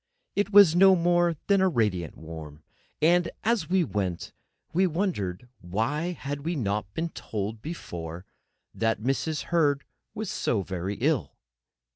It was no more than radiant warm. And, as we went, we wondered why we had not been told before that Mrs. Herd was so very ill.